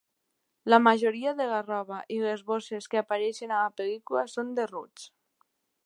La majoria de la roba i les bosses que apareixen a la pel·lícula són de Roots.